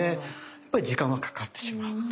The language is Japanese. やっぱり時間はかかってしまうと。